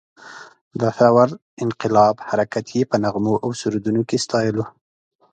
د ثور انقلاب حرکت یې په نغمو او سرودونو کې ستایلو.